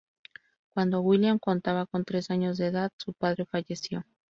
Cuando William contaba con tres años de edad, su padre falleció.